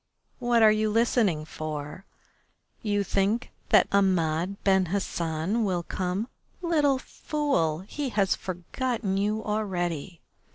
"What are you listening for? You think that Ahmed Ben Hassan will come? Little fool! He has forgotten you already.